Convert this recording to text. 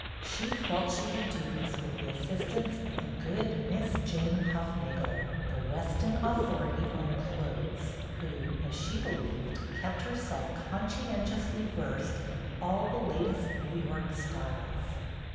She felt she could do this with the assistance of the good Miss Jane Hufnagel, the Weston authority on clothes, who, as she believed, kept herself conscientiously versed in all the latest New York styles.